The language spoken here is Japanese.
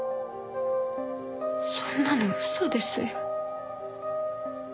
そんなの嘘ですよ。